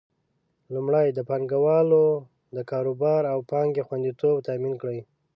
لومړی: د پانګوالو د کاروبار او پانګې خوندیتوب تامین کړي.